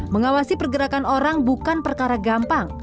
mengawasi pergerakan orang bukan perkara gampang